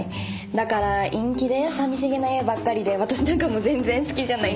だから陰気で寂しげな絵ばっかりで私なんかはもう全然好きじゃないんですけど。